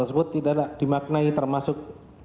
tersebut tidak dimaknai termasuk